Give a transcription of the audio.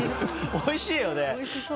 おいしいよね。